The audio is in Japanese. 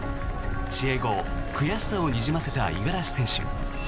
試合後悔しさをにじませた五十嵐選手。